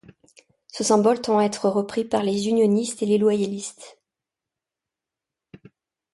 Ce symbole tend à être repris par les unionistes et loyalistes.